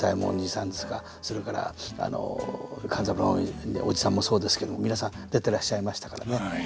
それから勘三郎のおじさんもそうですけど皆さん出てらっしゃいましたからね。